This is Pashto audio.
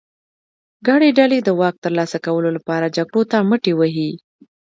ګڼې ډلې د واک ترلاسه کولو لپاره جګړو ته مټې وهي.